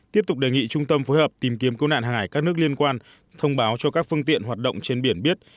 tiếp tục đề nghị trung tâm phối hợp tìm kiếm cứu nạn hàng hải các nước liên quan thông báo cho các phương tiện hoạt động trên biển biết